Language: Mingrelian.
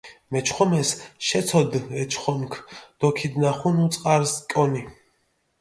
მეჩხომეს შეცოდჷ ე ჩხომქ დო ქიდნახუნუ წყარს კონი.